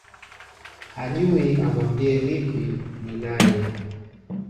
Hajui amwambie lipi ninaye